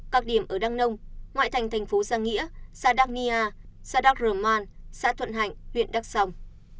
các điểm ở đăng nông ngoại thành thành phố giang nghĩa sa đắc nia sa đắc rờ màn xã thuận hạnh huyện đắc sông